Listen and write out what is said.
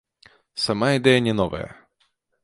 Сама ідэя не новая.